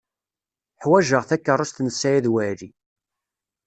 Ḥwajeɣ takeṛṛust n Saɛid Waɛli.